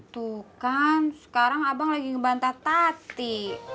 tuh kan sekarang abang lagi ngebantah tati